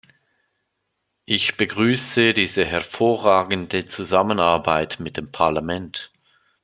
Ich begrüße diese hervorragende Zusammenarbeit mit dem Parlament.